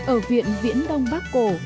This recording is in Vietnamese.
ở viện viễn đông bắc cổ